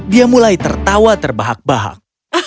dia mulai tertawa terbahak bahak